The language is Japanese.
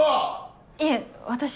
いえ私の。